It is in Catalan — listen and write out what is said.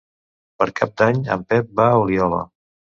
Per Cap d'Any en Pep va a Oliola.